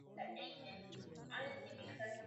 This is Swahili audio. Wewe kaa ukitabasamu